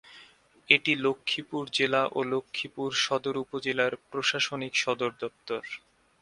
এটি লক্ষ্মীপুর জেলা ও লক্ষ্মীপুর সদর উপজেলার প্রশাসনিক সদরদপ্তর।